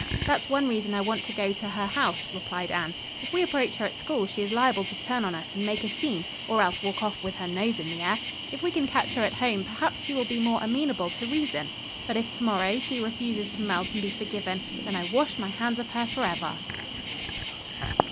"That's one reason I want to go to her house," replied Anne. "If we approach her at school she is liable to turn on us and make a scene, or else walk off with her nose in the air. If we can catch her at home perhaps she will be more amenable to reason. But, if, to morrow, she refuses to melt and be forgiven, then I wash my hands of her forever."